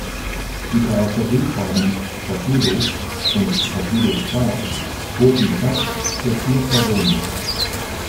Die Karosserieformen Torpedo und Torpedo Sport boten Platz für vier Personen.